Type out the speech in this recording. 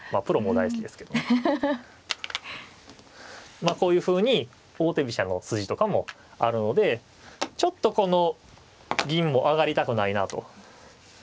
まあこういうふうに王手飛車の筋とかもあるのでちょっとこの銀も上がりたくないなと。